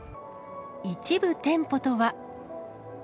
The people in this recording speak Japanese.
一部店舗とは。